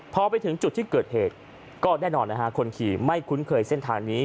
พอไปถึงจุดที่เกิดเหตุก็แน่นอนนะฮะคนขี่ไม่คุ้นเคยเส้นทางนี้